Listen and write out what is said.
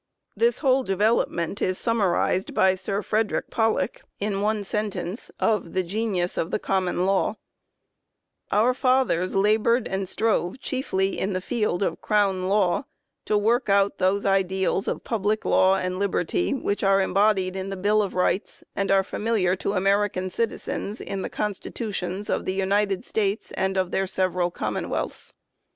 This whole development is summarized by Sir Frederick Pollock in one sentence of " The Genius of the Common Law ":" Our fathers laboured and strove chiefly in the field of Crown law to work out those ideals of public law and liberty which are embodied in the Bill of Rights and are familiar to American citizens in the constitutions of the United States and of their several common wealths